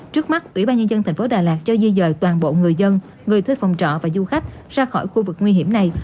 trước mắt ủy ban nhân dân tp đà lạt cho di dời toàn bộ người dân người thuê phòng trọ và du khách ra khỏi khu vực nguy hiểm này